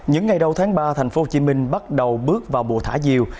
những ngày đầu tháng ba thành phố hồ chí minh bắt đầu bước vào mùa thả diều